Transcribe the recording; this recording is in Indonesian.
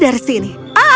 dan pergi dari sini